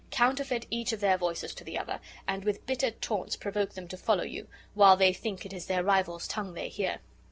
Counterfeit each of their voices to the other, and with bitter taunts provoke them to follow you, while they think it is their rival's tongue they hear.